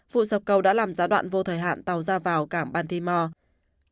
vụ sập cầu đã làm giai đoạn vô thời hạn tàu ra vào cảng baltimore